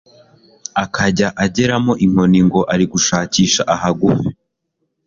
akajya ageramo inkoni ngo ari gushakisha ahagufi